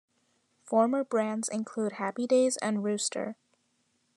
"Former brands include Happy Days and Rooster"